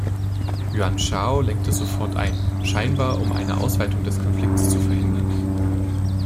Yuan Shao lenkte sofort ein, scheinbar um eine Ausweitung des Konflikts zu verhindern.